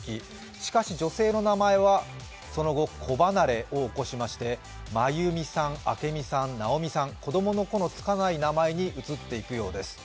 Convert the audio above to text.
しかし女性の名前はその後「子」離れを起こしまして真由美さん、明美さん、直美さん、子供の子の付かない名前に移っていくようです。